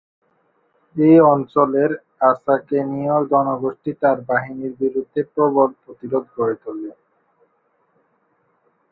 এই অঞ্চলের আসাকেনীয় জাতিগোষ্ঠী তাঁর বাহিনীর বিরুদ্ধে প্রবল প্রতিরোধ গড়ে তোলে।